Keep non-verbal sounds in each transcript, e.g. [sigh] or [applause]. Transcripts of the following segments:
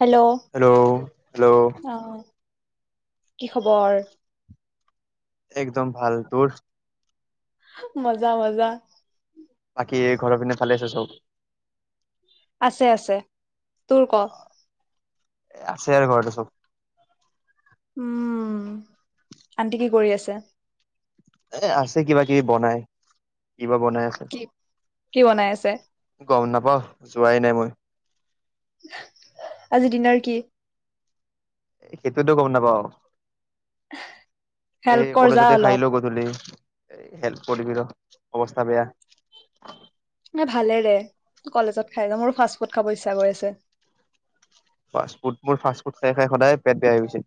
Hello hello hello আহ [unintelligible] কি খবৰ? একদম ভাল, তোৰ মজা মজা বাকি ঘৰৰ পিনে ভালে আছে চব। আছে-আছে, তোৰ ক। আছে আৰু ঘৰত চব। উম, আনটি কি কৰি আছে। এই আছে কিবা কিবি বনাই। কিবা বনাই আছে কি কি বনাই আছে? ব যোৱাই নাই মই আজি দিনাৰ কি? সেইটোতো গম নাপাও। হেল্প এই কৰ যা কলেজতে খাই অলপ ল, গধূলি হেল্প কৰিবলে অৱস্থা বেয়া। নে ভালেৰে কলেজত খাই যাম আৰু মোৰো ফাষ্ট ফুড খাব ইচ্ছা গৈ আছে। ফাষ্টফুড, মোৰ ফাষ্ট ফুড খাই খাই সদায় পেট বেয়া হৈ গৈছে।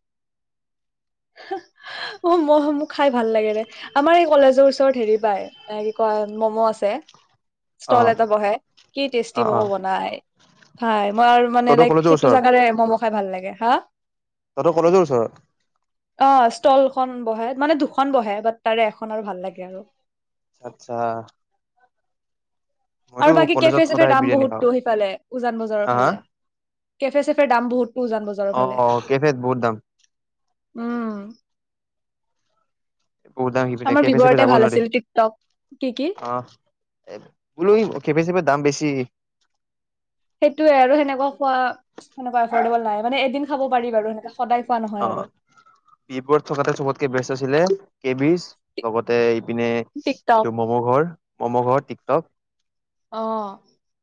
অ ম মোক খাই ভাল লাগেৰে আমাৰ এই কলেজৰ ওচৰত হেৰি পাই কি কয় মম' আছে। অ ষ্টল এটা বহাই, কি অ টেষ্টি মম অ বনাই। ফাইভ মই আৰু মানে তহঁতৰ লাইক কলেজৰ সেইটো ওচৰত জেগাৰে মম খাই ভাল লাগে, হা- তহঁতৰ কলেজৰ ওচৰত। অ ষ্টলখন বহে, মানে দুখন বহে বাট তাৰে এখনৰ আৰু ভাল লাগে আৰু আচ্ছা মইতো আৰু বাকী কলেজত কেফে চেফেৰ সদায় দাম বিৰিয়ানী খাওঁ বহুতটো সেইফালে উজান বজাৰৰ হা হা ফালে কেফে চেফেৰ দাম বহুত উজান বজাৰৰ অ ফালে। কেফেত বহুত দাম উম। বহুত দাম হিপিনে আমাৰ কেফে চেফে ভিবৰতে যাব ভাল নোৱাৰি আছিল টিকটক কি কি অ বোলো কেফে চেফে দাম বেছি। কি? সেইটোয়ে আৰু হেনেকুৱা খোৱা, হেনেকুৱা এফৰ্ডেবল নাই মানে, এদিন খাব পাৰি বাৰু। সদায় খোৱা নহয় অ আৰু বি বৰুৱাত থকাটোৱে চবতকে বেষ্ট আছিলে। কেবিজ, লগতে এই এইপিনে টিকটক এইটো ম'ম ঘৰ। মম' ঘৰ টিকটক। আহ।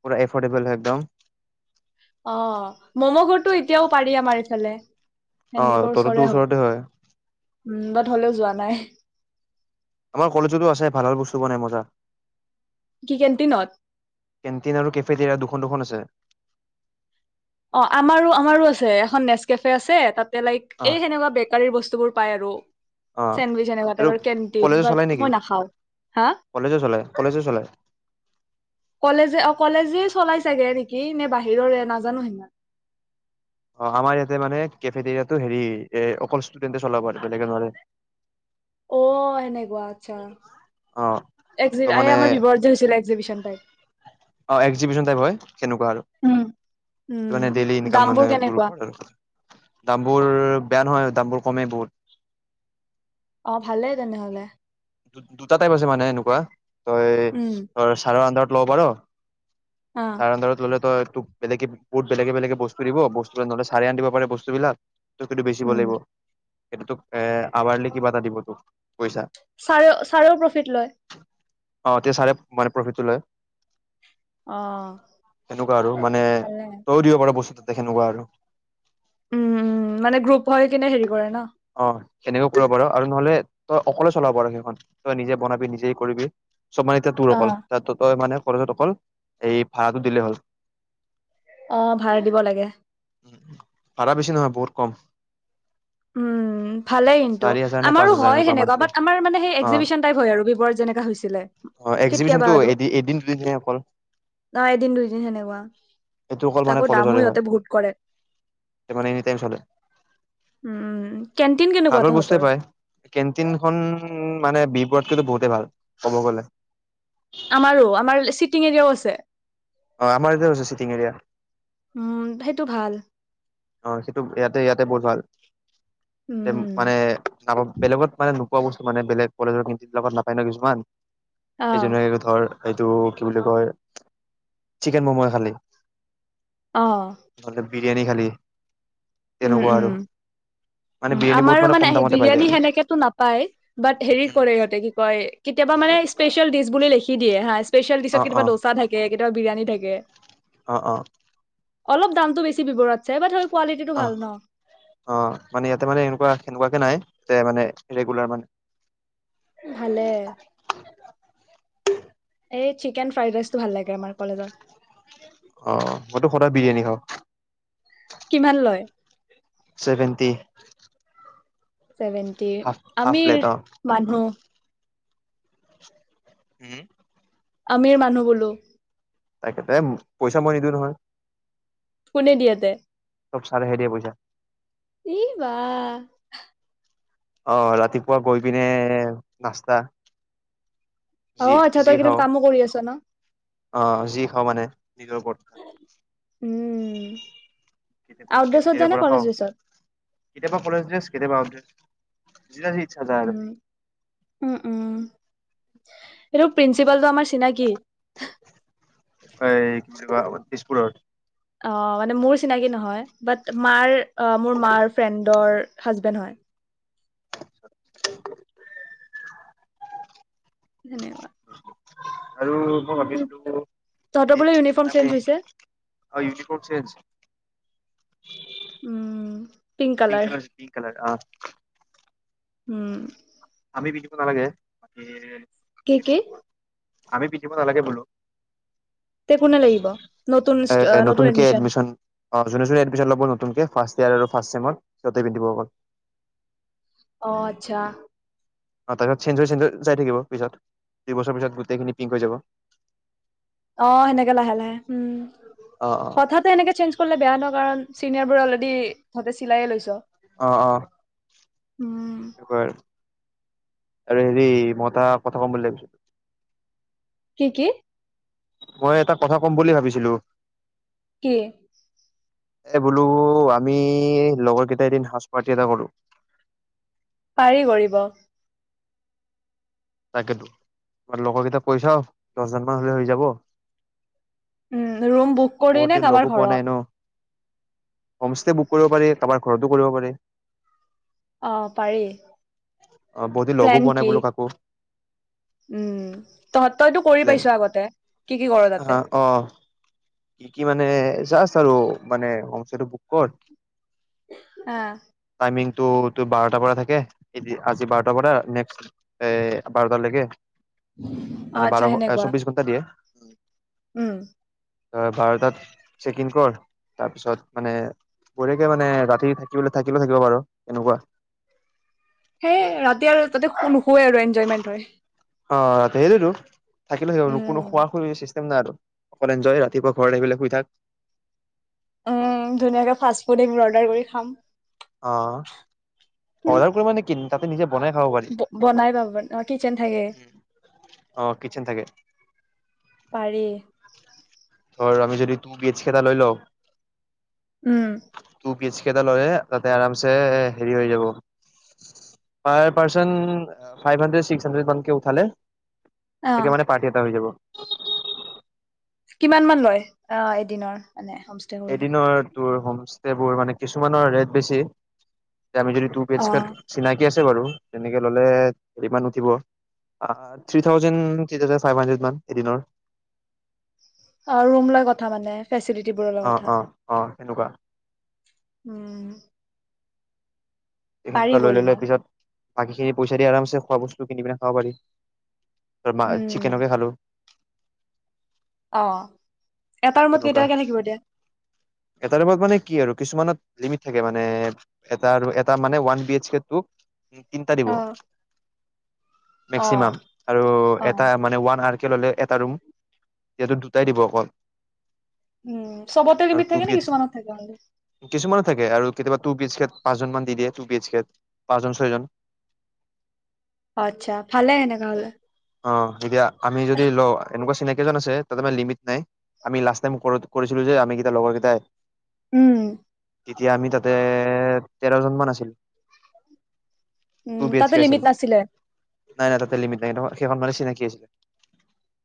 পুৰা এফৰ্ডেবল হয় একদম। অ ম'ম' গডতটো এতিয়াও পাৰি আমাৰ এইফালে। অ তহটতো ওচৰতে হয়। উম বাট হলেও যোৱা নাই। আমাৰ কলেজতো আছে ভাল ভাল বস্তু বনাই মজা। কি কেণ্টিনত কেণ্টিন আৰু কেফে দুখন, দুখন আছে। দে - অ, আমাৰো আমাৰো আছে এখন নেচ কেফে আছে তাত। তে লাইক অ এই সেনেকা বেকাৰীৰ বস্তুবোৰ। পায় আৰু। অ চেণ্ডউইচ এনেকুৱা এইটো টাইপৰ কেণ্টিন কলেজো বাট চলায় নেকি? মই নাখাওঁ হা কলেজো চলায়, কলেজো চলায়? কলেজে অ কলেজে চলাই চাগে নেকি নে বাহিৰৰে নাজানো সিমান। অ আমাৰ ইয়াতে মানে কেফেটৰিয়াটো হেৰি এ অকল ষ্টুডেণ্টে চলাব প বেলেগে নোৱাৰে। অ সেনেকুৱা, অ আচছা। ত মানে এই আমাৰ বিহত যে হৈছিলে এক্জিবশন তাইপ? অ এক্জিবশন টাইপ হয় সেনেকুৱা। উম আৰুে ডেইলি ইনকম দামবোৰ মানে, তোৰ কেনেকুৱা ওপৰত দামবোৰ বেয়া নহয়। দামবোৰ কমেই বহুত। অ ভালেই তেনেহলে। দু-দুটা টাইপ আছে মানে এনেকুৱা। তই উম চাৰে আন্দাৰত। ল'ব পাৰ। অ চাৰ আন্ধাৰত ললে, তই তোক। বেলেগে বুত বেলেগ বেলেগে বস্তু দিব। বস্তু নহলে, চাৰে আন দিব পাৰে বস্তুবিলাক। ত কিন্তটো বেছিব উম লাগিব। সটো তোক এ আৱাৰলি কিবা এটা দিব তোক পইচা। চাৰে, চাৰেও প্ৰফিট লয়। অ তেয়া চাৰে মানে প্ৰফিটটো লয়। অ সনেকুৱা আৰু মানে ভালে তয় দিব পাৰ বস্তুটো। তেনেকুৱা আৰু। উম উম মানে গ্ৰুপ হৈ কিনে হেৰি কৰে ন অ সেনেকে কৰিব পাৰ আৰু নহলে। তই অকলে চলাব পাৰ সেইখন। তই নিজে বনাবি নিজে কৰিবি? চব মানে এতিয়া তোৰ অ অকল তাত তই মানে। কলেজত অকল এই ভাড়াটো দিলেই হ'ল। অ ভাড়া দিব লাগে। ভাৰা বেছি নহয় বহুত কম। উম ভালেই কিন্তু চাৰি হাজাৰ নে পাঁচ আমাৰো হাজাৰ হয় এনেকুৱা সেনেকুৱা মান্থলি বাট আমাৰ মানে সেই। অ এক্সিবচন টাইপ হয় আৰু বিপৰত যেনেকা হৈছিলে। অ কেতিয়াবা এক্সিবিশনটো আৰু এদি এদিন দুদিনহে অকল ন এদিন দুইদিন সেনেকুৱা এইটো অকল মানে তাকো দামো কলেজৰে হয় সহঁতে বহুত কৰে। উম কেণ্টিন কেনেকুৱা ভালৰ বস্তুৱ তহঁতৰ পাই কেনটিনখনন। মানে বিপড কিো বহুতেই ভাল ক'ব গ'লে। আমাৰো আমাৰ চিটিং এৰিয়াও আছে। অ আমাৰ এইতি আ হৈছে চিটিং এৰিয়া। টো ভাল। অ সেইটো ইয়াতে ইয়াতে বহুত ভাল। এ উম মানে ন বেলেগত মানে। খোৱা বস্তু মানে বেলেগ কলেজৰ লগত নাপায় ন কিছুমান। অ কি ধুনীয়াকৈ থয়। এইটো কি বুলি কয় চিকেন মমো খালি। আহ নহ'লে বিৰিয়ানী খালী উম উম মানে উ বিৰিয়ানী বহুত আমাৰো কম মানে দামতে পাই যায় বিৰিয়ানী সেনেকেতো নাপায় বাট হেৰি উম কৰে ইহঁতে কি কয় কেতিয়াবা মানে স্পেচিয়েল ডিছ বুলি লিখি দিয়ে ৰহা অ ইছপিছিল অ কিবা ধোচা থাকে কেতিয়াবা বিৰিয়ানী থাকে অ অ অলপ দামটো বেছি বিৱৰাৰতছে বা ধৰি কোৱা অ অ মানে ইয়াতে মানে এনেকুৱা সেনেকুৱাকে নাই এ মানে ৰেগুলাৰ মানে ভালে এই চিকেন ফ্ৰাইড ৰাইচ টো ভাল লাগে আমাৰ কলেজৰ অ মইতো সদায় বিৰিয়ানী খাওঁ কিমান লয় ছেভেণ্টি ছেভেনটি আমি প্লেট অ মানুহ উম আমিৰ মানুহ বোলো তাকেতে পইচা মই নিদিওঁ নহয় কোনে দিয়াতে চব চাৰে হে দিয়ে পইছা এই বা আহ ৰাতিপুৱা গৈ পিনে নাস্তা অ আচ্ছা তই কিন্ত কামো কৰি আছ ন আহ যি খাওঁ মানে নিজৰ ওপৰত খা উম কেতিয়াবা আউট মই ড্ৰেছত কাফেটেৰিয়া জানে পৰা কলেজ খাওঁ। ড্ৰেছত কেতিয়াবা কলেজ ড্ৰেছ কেতিয়াবা আউট ড্ৰেছ [unintelligible] উম উম উম এইটো প্ৰিন্সিপালটো আমাৰ চিনাকি হয় কিবুলি কৈ তেজপুৰ অ মানে মোৰ চিনাকি নহয় বাত মাৰ মোৰ মাৰ ফ্ৰেণ্ডৰ হাজবেণ্ড হয়। [unintelligible] ধন্যবাদ আৰু মই ভাবিছিলো মোৰ তহঁতৰ বোলে এদিন ইউনিফৰ্ম চেঞ্জ মানে হৈছে আৰু ইউনিফৰ্ম চেইঞ্জ [unintelligible] উম পিংক কালাৰ পিংক কালাৰ আহ উম নালাগে এহ কে কে আমি পিটিব নালাগে বোলো তে কোনে লাগিব নতুন অ নতুন নতুনকে এডমিশন এডমিছন অহ যোনে যোনে এডমিছন লব নতুনকে ফাৰ্ষ্ট আৰু ফাৰ্ষ্ট চেমত সিহঁতে পিন্ধিব অকল অ আচ্ছা তাৰ পিছত চেঞ্জ হয় চেঞ্জ হয় যাই থাকিব পিছত দু বছৰ পিছত গোটেইখিনি পিংক হৈ যাব। অ সেনেকে লাহে লাহে উম অ অ হঠাতে এনেকে চেঞ্জ কৰিলে বেয়া ন কাৰণ চিনিয়াৰ বোৰ অলৰেডি তহঁতে চিলাই য়ে লৈছ অহ অহ উম আৰু হেৰি মই এটা কথা ক'ম বুলি ভাবিছো কি কি মই এটা কথা কম বুলি ভাবিছিলো কি এ বোলো আমি লগৰ কেইটাই এদিন সাজ পাৰটি এটা কৰো পাৰি কৰিব তাকেতো আমাৰ লগৰ কেইটাক কৈ চাওঁ দহজনমান হলে হৈ যাব উম ৰুম বুক কৰি নে কাৰোবাৰ ঘৰত? হোমষ্টে বুক কৰিব পাৰি কাবাৰ ঘৰতো কৰিব পাৰি অহ পাৰি অ বহুত লগো প্লেন পোৱা নাই কি বোলো কাকো উম তহঁতৰটো কৰি প্লেন পাইছ আগতে কি কি কৰ তাতে? অ কি কি মানে জাচ আৰু মানে হোম ষ্টেটো বুক কৰ অহ তো তোৰ বাৰটাৰ পৰা থাকে এতি আজি বাৰটাৰ পৰা নেক্সট এ বাৰটালৈকে অ মানে আচ্ছা বাৰ সেনেকুৱা চৌ্বিশ ঘণ্টা দিয়ে উম ত বাৰটাত চেকিণ্ড কৰ তাৰ পিছত মানে গৰেকে মানে ৰাতি থাকিব থাকিলে থাকিব পাৰ তেনেকুৱা সেই ৰাতি আৰু তাতে নুশোৱে আৰু এনজয়মেন্ট হয় আ [unintelligible] তো থাকিলেই নো উম খোৱা খুই চিষ্টে তো অকল এনজয় ৰাতিপুৱা ঘৰ আহি পাই শুই থাক উম ধুনীয়াকে ফাচ ফুড অৰ্ডাৰ কৰি খাম অ অৰ্ডাৰ কৰিব নে কিন তাতো নিজে বনাই খাব পাৰি ব বনাই পাব কিচেন থাকে অ কিটচেন থাকে পাৰি ধৰ আমি যদি তু বেজ কেতা লৈ লও উম বীজ কেইটা লৈ অ তাতে আৰাম চে হেৰি হৈ যাব পাৰ person five hundred six hundred মানকে উঠালে অ তেনেকে মানে পাৰঠি এটা হৈ যাব। কিমান মান লয়, অ' এদিনৰ? মানে হোমষ্টে কৰিলে? এদিনৰ তোৰ বোৰ মানে কিছুমানৰ ৰেট বেছি তমি যদি তু বি এহ কেই অ', চিননাাকি আছে আৰু তেনেকে ললে ইমান নুঠিব। আহ three thousand, three thousand five hundred মান এদিনৰ। অ ৰুম লৈ কথা মানে। ফেচিলিটিবোৰ [unintelligible] কথা কুৱা উম পাৰি সেনেকুৱা লৈ কৰিব ললে পিছত বাকীখিনি পইচা দি আৰামছে খোৱা বস্তু কিনি পিনে খাব পাৰি। ত মা উম, চিকেনকে খালো। অহ এটা ৰুমত সেনেকুৱা কেইটা কেই থাকিব দিয়ে? এটা ৰুমত মানে কি আৰু কিছুমানত লিমিট থাকে মানে এটা আৰু এটা মানে ওৱান বিএচ কে টু তিনিটা দিব। অ', মেক্সিমাম, অ', আৰু এটা অ', মানে ওৱান ললে এটা ৰুম, যিহেতু দুটাই দিব অকল উম, চবতে লিমিট আৰু টো থাকে বি নে এছ, কিছুমানত থাকে অনলি? কিছুমানু থাকে আৰু কেতিয়াবা টো বি এছ কেত পাঁচজন মান দি দিয়ে টো বি এছ কেত, পাঁচজন-ছয়জন আচ্ছা, ভালে হয়েনেকাহলে। অ এতিয়া আমি যদি ল এনেকুৱা চিনাকি আছে, তাতে মানে লিমিট নাই। আমি লাষ্ট টাইম কৰত-কৰিছিলোঁ যে আমি কিতাই লগৰ কীতাই উম তেতিয়া আমি তাতে তেৰ জন মান আছিল। উম, টু বি এচ তাতে কে আছিল। লিমিট নাছিলে? নাই-নাই তাতে লিমিট নাই [unintelligible] মানে চিনাকি আছিলে।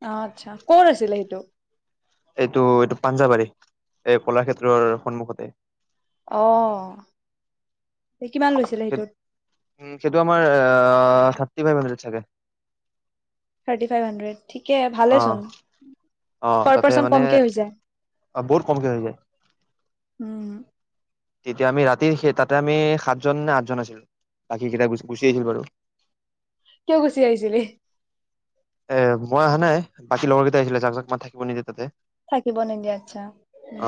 অ', আচ্ছা ক'ত আছিলে সেইটো? এইটো-এইটো পাঞ্জাবাৰী, এই কলাক্ষেত্ৰৰ সন্মুখতে। অহ উম হেতু আমাৰ আহ আহ থাৰতি ফাইভ হান্দ্ৰদ চাগে। Thirty five hundred? ঠিকে অ ভালেচোন। অ পাৰ তাতে পাৰ্চন মানে কমকে হৈ যায়। বহুত কমকে হৈ যায় উম। তেতিয়া আমি ৰাতিৰ সেই তাতে আমি সাতজন নে আঠজন আছিলো, বাকী কেইটা গুচি আহিছিল বাৰু। কিয় গুচি আহিছিলি? [unintelligible] নাই বাকী লগৰকেইটা আহিছিলে, জাক তাক মাত থাকিব নিদে তাতে। থাকিব নিদিয়ে আচ্ছা [inaudible] অ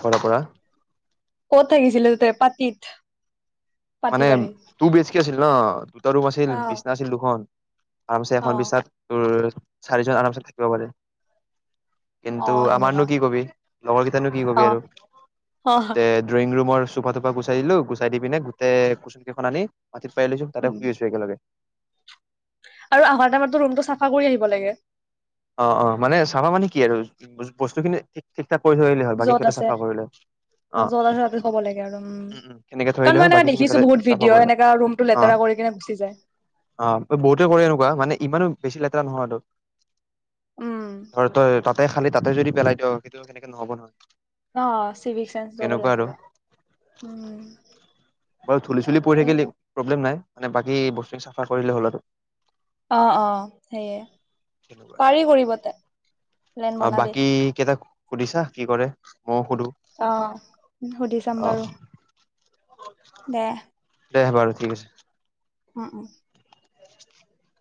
ঘৰৰ পৰা ক'ত থাকিছিলি তই পাতিত? পাতি মানে বাৰী টু বেছি কে আছিল ন, দুটা ৰুম আছিল অ বিছনা আছিল দুখন। আৰামছে অ এখন বিছনাত তোৰ। চাৰিজন আৰাম চে থাকিব পাৰে। অ কিন্তু সেনেকুৱা আমাৰনো কি কবি লগৰ কেইটানো কি অ কবি আৰু অ যে ড্ৰয়িং ৰুমৰ। চুফা টোপা গুচাই দিলো গুচাই দি পিনে। তে কুশ্যন কেখন আনি। মাটিত পাই লৈছো, তাতে উম শুই আছো একেলগে। আৰু আহাৰ টাইমততো ৰুমটো চাফা কৰি আহিব লাগে। অ অ মানে চাফা মানে কি আৰু বস্তুখিনি ঠিক ঠিক। কৰি থৈ আহিলে হল বাকী য'ত সিহঁতে আছে চাফা কৰিলে, আহ য'ত আছে তাতে থব লাগে আৰু উম উ উ সেনেকে থৈ কাৰণ আহিলে মই হল এনেকা বাকীখিনি দেখিছো সিহঁতে বহুত চাফা ভিডিঅ' কৰিলে এনেকা ৰুমটো অ লেতেৰা কৰি কিনে গুচি যায় অ বহুতে কৰে এনেকুৱা মানে ইমানো। বেছি লেতেৰা নহোৱাটো। উম ত তই তাত। তাতে খালি, তাতে যদি পেলাই দীয় সেইটো সেনেকে নহ'ব নহয়। অ চিভিক চেন্স অলপ সেনেকুৱা আৰু লাগিব [inaudible] বাৰু ধুলি চুলি পৰি এ থাকিলে প্ৰব্লেম নাই। মানে বাকী বস্তু খিনি চাফা কৰিলে হ'ল আৰু। অ অ সেইয়ে তেনেকুৱা পাৰি কৰিব তে। প্লেন অ বনাবি বাকি কেটা। সুধিছা কি কৰে? ময়ো সুধো অ সুধি চাম অ বাৰু। দে। দে বাৰু ঠিক আছে। অ উ [inaudible] উ [inaudible]